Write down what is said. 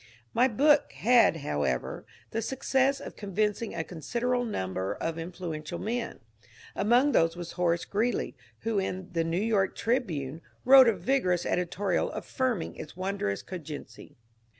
My book had, however, the success of convincing a considerable number of influential men. Among these was Horace Greeley, who in the " New York Tribune wrote a vigorous editorial affirm ing its " wondrous cogency.